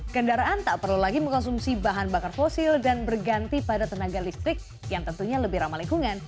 kendaraan tak perlu lagi mengkonsumsi bahan bakar fosil dan berganti pada tenaga listrik yang tentunya lebih ramah lingkungan